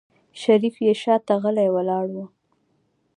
شريف يې شاته غلی ولاړ و.